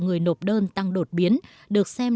người nộp đơn tăng đột biến được xem